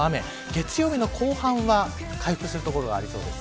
月曜日の後半は回復する所がありそうです。